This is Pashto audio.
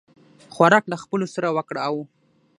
خوراک له خپلو سره وکړه او